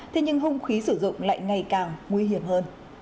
thế nhưng hung khí sử dụng lại ngày càng nguy hiểm hơn